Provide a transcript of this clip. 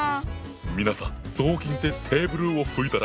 皆さん雑巾でテーブルを拭いたらダメだねえ。